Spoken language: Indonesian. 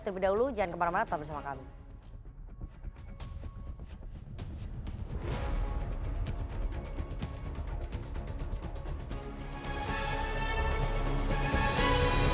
terlebih dahulu jangan kemana mana tetap bersama kami